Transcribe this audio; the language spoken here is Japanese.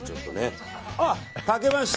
炊けました。